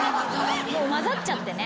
もう交ざっちゃってね。